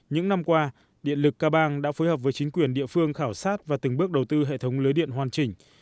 những năm qua điện lực ca bang đã phối hợp với chính quyền địa phương khảo sát và từng bước đầu tư hệ thống lưới điện hoàn chỉnh